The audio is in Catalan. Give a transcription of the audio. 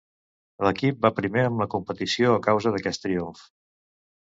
L'equip va primer en la competició a causa d'aquest triomf.